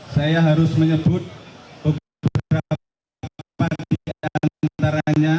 saya harus menyebut beberapa partian antaranya